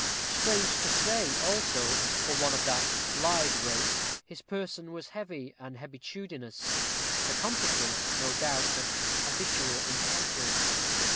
Strange to say, also, for one of that lithe race, his person was heavy and hebetudinous; the consequence, no doubt, of habitual intemperance.